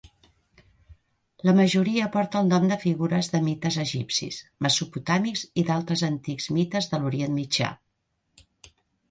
La majoria porta el nom de figures de mites egipcis, mesopotàmics i d'altres antics mites de l'Orient Mitjà.